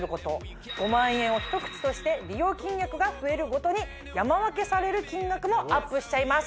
５万円を１口として利用金額が増えるごとに山分けされる金額もアップしちゃいます。